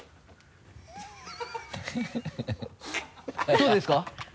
どうですか？